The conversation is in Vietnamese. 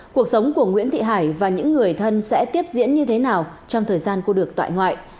cuộc sống của nguyễn thị hải và những người thân sẽ tiếp diễn như thế nào trong thời gian cô được tại ngoại